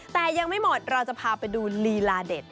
แต่ยังไม่หมดเราจะพาไปดูลีลาเด็ด